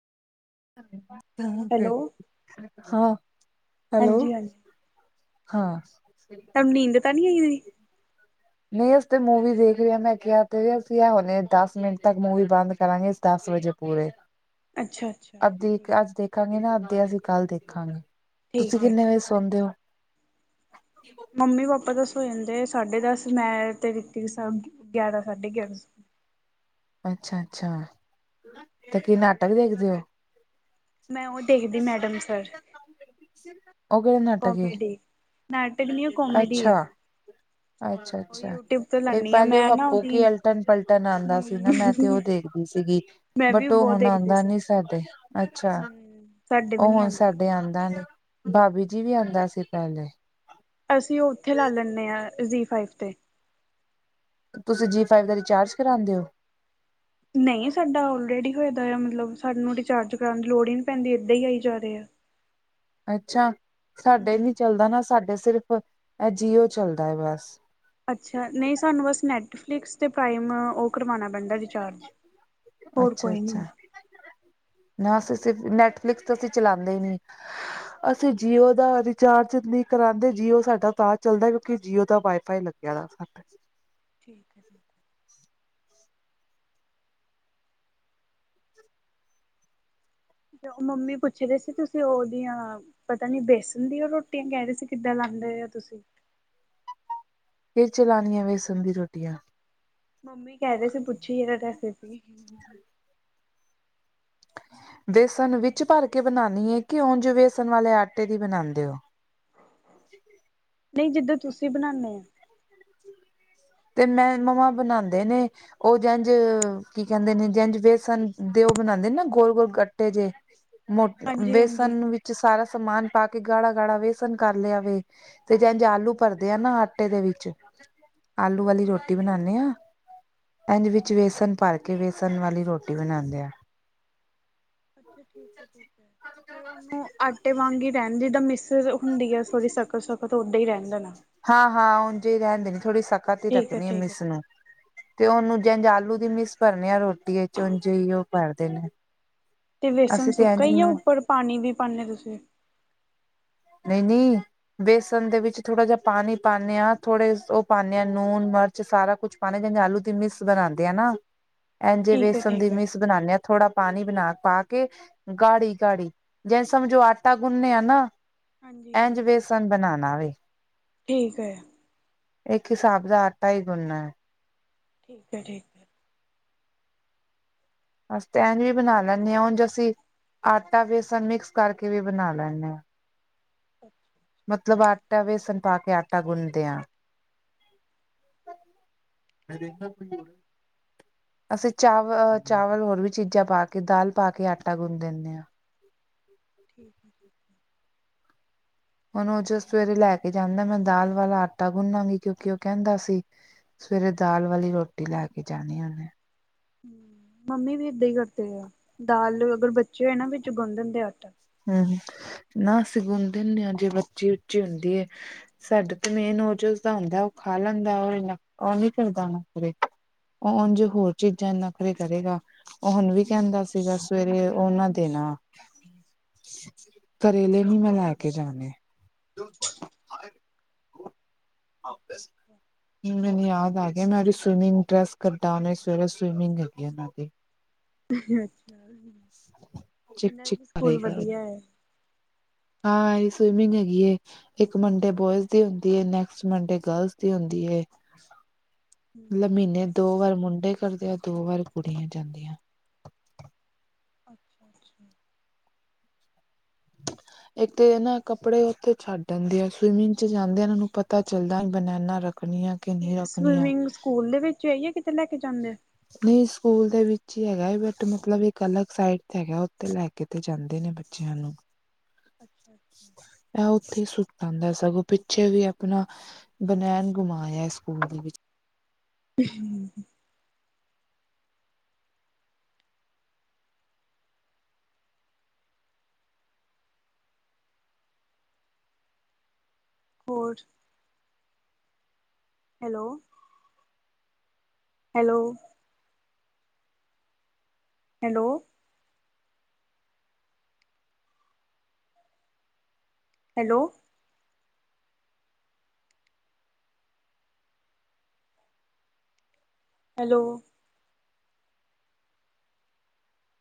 Hello ਹਾਂ, hello. ਹਾਂਜੀ ਹਾਂਜੀ ਹਾਂ। ਤਾਨੀ ਆਈ ਹੋਈ? ਨਹੀਂ ਅਸੀ ਤੇ ਮੂਵੀ ਦੇਖ ਰਹੇ ਆ, ਮੈਂ ਕਿਹਾ ਤੇ ਵੀ ਅਸੀਂ ਇਹੋ ਦਸ ਮਿੰਟ ਤੱਕ ਮੂਵੀ ਬੰਦ ਕਰਾਂਗੇ। ਦੱਸ ਵਜੇ ਪੂਰੇ। ਅੱਛਾ-ਅੱਛਾ। ਧ ਅੱਜ ਦੇਖਾਂਗੇ, ਨਾ ਅੱਧੀ ਅਸੀਂ ਕੱਲ ਦੇਖਾਂਗੇ, ਤੁਸੀਂ ਠੀਕ ਹੈ ਕਿੰਨੇ ਵਜੇ ਸੌਂਦੇ ਓ? ਮੰਮੀ-ਪਾਪਾ ਤਾਂ ਸੋ ਜਾਂਦੇ ਸਾਢੇ ਦੱਸ, ਮੈਂ ਤੇ ਰਿਤੀਕ ਗਿਆਰਾ, ਸਾਢੇ ਗਿਆਰਾਂ। ਅੱਛਾ-ਅੱਛਾ, ਤੇ ਕੀ ਨਾਟਕ ਦੇਖਦੇ ਓ? ਮੈਂ ਉਹ ਦੇਖਦੀ, ਮੈਡਮ ਸਰ। ਉਹ ਕਿਹੜਾ ਨਾਟਕ ਏ ਕੋਮੇਡੀ, ਨਾਟਕ ਨੀ ਆ, ਕੋਮੇਡੀ ਆ। ਅੱਛਾ ਅੱਛਾ ਉਹ ਅੱਛਾ ਯੂਟਿਊਬ ਤੋਂ ਇਹ ਲਾਂਨੀ ਆ, ਪਹਿਲੇ ਉਹ ਮੈਂ ਨਾ ਹੱਪੂ ਉਹਦੀ, ਕੀ ਅਲਟਨ ਪਲਟਨ ਆਉਂਦਾ ਸੀ ਨਾ ਮੈਂ ਤੇ ਉਹ ਹੂੰ। ਦੇਖਦੀ ਸੀਗੀ ਮੈਂ ਵੀ ਬਟ ਉਹ ਬਹੁਤ ਹੁਣ ਦੇਖਦੀ ਆਉਂਦਾ ਸੀ, ਨੀ ਸਾਡੇ ਅੱਛਾ ਹੂੰ। ਸਾਡੇ ਵੀ ਉਹ ਨ ਹੁਣ ਸਾਡੇ ਆਂਦਾ ਨੀ, ਭਾਬੀ ਜੀ ਵੀ ਆਂਦਾ ਸੀ ਪਹਿਲੇ। ਅਸੀਂ ਉਹ ਉੱਥੇ ਲਾ ਲੈਂਨੇ ਆ, ਜ਼ੀ ਫਾਈਵ ਤੇ। ਤੁਸੀਂ ਜੀ ਫਾਈਵ ਦਾ ਰਿਚਾਰਜ ਕਰਾਂਦੇ ਓ? ਨਹੀਂ, ਸਾਡਾ ਔਲਰੇਡੀ ਹੋਏਦਾ ਆ, ਮਤਲਬ ਸਾਨੂੰ ਰਿਚਾਰਜ ਕਰਾਣ ਦੀ ਲੋੜ ਈ ਨਹੀਂ ਪੈਂਦੀ, ਏਦਾਂ ਈ ਆਈ ਜਾ ਰਹੇ ਆ। ਅੱਛਾ! ਸਾਡੇ ਹਮ ਨੀ ਚੱਲਦਾ ਨਾ, ਸਾਡੇ ਸਿਰਫ ਐ ਜੀਓ ਚੱਲਦਾ ਏ ਬਸ। ਅੱਛਾ, ਨਹੀਂ ਸਾਨੂੰ ਬਸ ਨੈੱਟਫਲਿਕਸ ਤੇ ਪ੍ਰਾਈਮ, ਉਹ ਕਰਵਾਣਾ ਪੈਂਦਾ ਰਿਚਾਰਜ। ਹੋਰ ਕੋਈ ਨੀ ਅੱਛਾ-ਅੱਛਾ, ਨਾ ਅਸੀਂ ਸ ਨੈਟਫਲਿਕਸ ਅਸੀਂ ਚਲਾਂਦੇ ਈ ਨੀ। ਅਸੀਂ ਜੀਓ ਦਾ ਰਿਚਾਰਜ ਨਹੀਂ ਕਰਾਂਦੇ, ਜੀਓ ਸਾਡਾ ਤਾਂ ਚੱਲਦਾ ਕਿਉਂਕਿ ਜੀਓ ਦਾ ਵਾਈਫਾਈ ਲੱਗਿਆ ਵਾ। ਸੱ [unintelligible] ਠੀਕ ਹੈ ਜੀ। ਤੇ ਮੰਮੀ ਪੁੱਛਦੇ ਸੀ ਤੁਸੀਂ ਉਹਦੀਆਂ। ਪਤਾ ਨੀ ਬੇਸਨ ਦੀਆਂ ਰੋਟੀਆਂ ਕਹਿ ਰਹੇ ਸੀ ਕਿੱਦਾਂ ਲਾਉਂਦੇ ਹੋ ਤੁਸੀਂ ਇਹਦੇ ਵਿੱਚ ਲਾਣੀਆ ਵੇਸਣ ਦੀ ਰੋਟੀਆਂ। ਮੰਮੀ ਕਹਿ ਰਹੇ ਸੀ ਪੁੱਛੀ ਜ਼ਰਾ ਰੈਸਪੀ। ਵੇਸਣ ਵਿੱਚ ਭਰ ਕੇ ਬਣਾਉਣੀ ਹੈ ਕਿ ਉਂਝ ਵੇਸਣ ਵਾਲੇ ਆਟੇ ਦੀ ਬਣਾਉਂਦੇ ਹੋ। ਨਹੀਂ ਜਿੱਦਾਂ ਤੁਸੀਂ ਬਣਾਉਦੇ ਆ। ਤੇ ਮੇਰੇ ਮੰਮਾ ਬਣਾਉਦੇ ਨੇ। ਉਹ ਇੰਜ ਕੀ ਕਹਿੰਦੇ ਨੇ ਇੰਜ ਬੇਸਣ ਦੇ ਉਹ ਬਣਾਉਂਦੇ ਨੇ ਨਾ ਗੋਲ ਗੋਲ ਗੱਟੇ ਜੇਹੇ। ਅੱਛਾ ਜੀ। [unintelligible] ਮੋ ਵੇਸਨ ਵਿੱਚ ਸਾਰਾ ਸਮਾਨ ਪਾ ਕੇ ਗਾੜਾ -ਗਾੜਾ ਵੇਸਨ ਕਰ ਲਿਆਵੇ। ਤੇ ਜਿੱਦਾਂ ਆਲੂ ਭਰਦੇ ਆ ਨਾ ਆਟੇ ਦੇ ਵਿੱਚ ਆਲੂ ਵਾਲੀ ਰੋਟੀ ਹਾਂਜੀ ਹਾਂਜੀ ਬਣਾਉਦੇ ਆ। ਇੰਝ ਵਿੱਚ ਵੇਸਣ ਭਰਕੇ ਵੇਸਣ ਵਾਲੀ ਰੋਟੀ ਬਣਾਉਂਦੇ ਆ ਅੱਛਾ ਠੀਕ ਹੈ ਠੀਕ ਹੈ ਫੇਰ ਉਹਨੂੰ ਆਟੇ ਵਾਂਗ ਹੀ ਰਹਿਣ ਦਈਦਾ ਮਿਸ ਫਿਰ ਹੁੰਦੀ ਆ ਥੋੜ੍ਹੀ ਸਖਤ-ਸਖਤ ਉੱਦਾਂ ਹੀ ਰਹਿਣ ਦੇਣਾ ਹਾਂ ਹਾਂ ਉਂਝੇ ਕਹਿੰਦੇ ਨੇ ਥੋੜ੍ਹਾ ਸਖਤ ਹੀ ਠੀਕ ਹੈ ਰੱਖਣੀ ਆ ਠੀਕ ਹੈ ਮਿਸ ਨੂੰ। ਤੇ ਉਹਨੂੰ ਜਿੰਜ ਆਲੂ ਦੀ ਮਿਸ ਭਰਦੇ ਆ ਰੋਟੀ ਵਿੱਚ ਉੰਝ ਹੀ ਉਹ ਭਰਦੇ ਨੇ ਤੇ ਬੇਸਨ ਅਸੀਂ ਤੇ ਸੁੱਕਾ ਹੀ ਆ ਇੰਝ ਉੱਪਰ ਪਾਣੀ ਵੀ ਪਾਦੇ ਹੋ ਤੁਸੀਂ ਨਹੀਂ ਨਹੀਂ ਬੇਸਨ ਦੇ ਵਿੱਚ ਥੋੜ੍ਹਾ ਜਿਹਾ ਪਾਣੀ ਪਾਉਂਦੇ ਹਾਂ ਥੋੜੇ ਉਹ ਪਾਉਂਦੇ ਹਾਂ ਲੂਣ ਮਿਰਚ ਸਾਰਾ ਕੁਛ ਪਾਣੇ ਜਿਵੇਂ ਆਲੂ ਦੀ ਮਿਸ ਬਣਾਉਂਦੇ ਆ ਨਾ ਇਝੇ ਠੀਕ ਹੈ ਬੇਸਣ ਦੀ ਠੀਕ ਹੈ ਮਿਸ ਬਣਾਉਦੇ ਹਾਂ ਥੋੜਾ ਪਾਣੀ ਬਣਾ ਪਾ ਕੇ ਗਾੜੀ ਗਾੜੀ ਜੇ ਸਮਝੋ ਆਟਾ ਗੁੰਨਦੇ ਆ ਨਾ ਹਾਂਜੀ ਇੰਝ ਹਾਂਜੀ ਬੇਸਨ ਬਣਾਣਾ ਵੇ ਠੀਕ ਹੈ ਇੱਕ ਹਿਸਾਬ ਦਾ ਆਟਾ ਹੀ ਗੁੰਨਾ ਐ ਠੀਕ ਹੈ ਠੀਕ ਹੈ ਅਸਾ ਤੇ ਐਂਜ ਵੀ ਬਣਾ ਲੈਂਦੇ ਹਾਂ ਉਂਝ ਅਸੀਂ ਆਟਾ ਬੇਸਣ ਮਿਕਸ ਕਰਕੇ ਵੀ ਬਣਾ ਲੈਂਦੇ ਹਾਂ ਮਤਲਬ ਆਟਾ ਵੇਸਣ ਪਾ ਕੇ ਆਟਾ ਗੁੰਨਦੇ ਹਾਂ ਮੈਂਰੇ ਕੋਈ ਬੋ ਅਸੀਂ ਚਾਵਲ ਚਾਵਲ ਹੋਰ ਵੀ ਚੀਜ਼ਾਂ ਪਾ ਕੇ ਦਾਲ ਪਾ ਕੇ ਆਟਾ ਗੁਨ ਦਿੰਦੇ ਹਾਂ ਠੀਕ ਹੈ ਹੁਣ ਉਹ ਜੋ ਸਵੇਰੇ ਲੈ ਕੇ ਜਾਂਦਾ ਮੈਂ ਦਾਲ ਵਾਲਾ ਆਟਾ ਗੂੰਨਾ ਵੀ ਕਿਉਂਕਿ ਉਹ ਕਹਿੰਦਾ ਸੀ ਸਵੇਰੇ ਦਾਲ ਵਾਲੀ ਰੋਟੀ ਲੈ ਕੇ ਜਾਣੀ ਊਣੇ ਹੂੰਮ ਮੰਮੀ ਵੀ ਏਦਾਂ ਹੀ ਕਰਦੇ ਆ ਦਾਲ ਅਗਰ ਬੱਚੇ ਹੋਏ ਨਾ ਵਿੱਚ ਗੁੰਨ ਦਿੰਦੇ ਆਟਾ ਹੂੰਮ ਨਾ ਅਸੀਂ ਗੁੰਣ ਦਿੰਦੇ ਹਾਂ ਜੇ ਬੱਚੀ ਉੱਚੀ ਹੁੰਦੀ ਹੈ ਸਾਡਾ ਤੇ ਮੇਨ ਉਹ ਜੋ ਉਸਦਾ ਹੁੰਦਾ ਉਹ ਖਾ ਲੈਂਦਾ ਉਹ ਇਨਾ ਉਹ ਨੀ ਕਰਦਾ ਨਖਰੇ ਉਹ ਉਂਜ ਹੋਰ ਚੀਜ਼ਾਂ ਚ ਨਖਰੇ ਕਰੇਗਾ ਓਹ ਹੁਣ ਵੀ ਕਹਿੰਦਾ ਸੀਗਾ ਸਵੇਰੇ ਓਹ ਨਾ ਦੇਣਾ ਕਰੇਲੇ ਵੀ ਬਣਾ ਕੇ ਜਾਣੇ [inaudible] ਮੈਨੂੰ ਯਾਦ ਆ ਗਿਆ ਮੈਂ ਸਵੀਮਿੰਗ ਡਰੈੱਸ ਕੱਢਾ ਉਣੇ ਸਵੇਰੇ ਸਵੀਮਿੰਗ ਹੈਗੀ ਇਹਨਾਂ ਦੀ ਅੱਛਾ ਜੀ ਚਿਕ ਇਹਨਾਂ ਦਾ ਚਿਕ ਵੀ ਸਕੂਲ ਕਰੇਗਾ ਵਧੀਆ ਹੈ ਹਾਂ ਇਹ ਸਵੀਮਿੰਗ ਹੈਗੀ ਐਂ ਇੱਕ ਮੰਡੇ ਬੋਇਜ਼ ਦੀ ਹੁੰਦੀ ਹੈ ਨੈਕਸਟ ਮੰਡੇ ਗਰਲਜ਼ ਦੀ ਹੁੰਦੀ ਹੈ ਮਤਲਬ ਮਹੀਨੇ ਦੋ ਚ ਵਾਰ ਮੁੰਡੇ ਕਰਦੇ ਆ ਦੋ ਵਾਰ ਕੁੜੀਆਂ ਜਾਂਦੀਆਂ ਅੱਛਾ ਅੱਛਾ ਇੱਕ ਤੇ ਇਹ ਨਾ ਕੱਪੜੇ ਉੱਥੇ ਛੱਡ ਆਂਦੇ ਆ ਸਵੀਮਿੰਗ ਚ ਜਾਂਦੇ ਆ ਓਹਨੂੰ ਪਤਾ ਚਲਦਾ ਹੀ ਬਨੈਨਾ ਰਖਣੀਆ ਤੇ ਸਵੀਮਿੰਗ ਸਕੂਲ ਦੇ ਵਿੱਚ ਐ ਯਾ ਕਿਤੇ ਲੈ ਕੇ ਜਾਂਦੇ ਨਹੀਂ ਸਕੂਲ ਦੇ ਵਿੱਚ ਹੀ ਹੈਗਾ ਬਟ ਮਤਲਬ ਇੱਕ ਅਲੱਗ ਸਾਈਡ ਤੇ ਹੈਗਾ ਓਥੇ ਲੈ ਕੇ ਤੇ ਜਾਂਦੇ ਨੇ ਬੱਚਿਆ ਨੂੰ ਅੱਛਾ ਅੱਛਾ, ਇਹ ਉੱਥੇ ਹੀ ਸੁ ਜਾਂਦਾ ਸਗੋਂ ਪਿੱਛੇ ਵੀ ਆਪਣਾ ਬਨੈਣ ਗੁਮਾ ਆਇਆ ਸਕੂਲ ਦੇ ਵਿੱਚ ਹਮ ਹੋਰ hello hello hello hello hello